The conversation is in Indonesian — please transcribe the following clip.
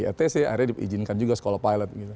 atc akhirnya diizinkan juga sekolah pilot gitu